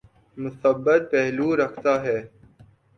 مثبت پہلو رکھتا ہے۔